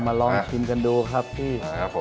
มาลองมองกันดูครับพี่